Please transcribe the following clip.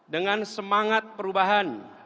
dengan semangat perubahan